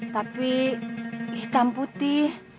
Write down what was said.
tapi hitam putih